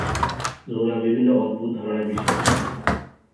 Luna বিভিন্ন অদ্ভুত ধারণায় বিশ্বাসী।